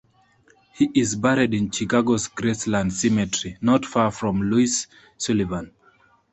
He is buried in Chicago's Graceland Cemetery, not far from Louis Sullivan.